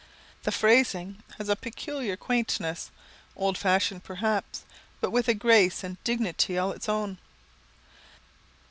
The phrasing has a peculiar quaintness, old fashioned, perhaps, but with a grace and dignity all its own.